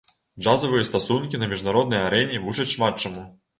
Джазавыя стасункі на міжнароднай арэне вучаць шмат чаму.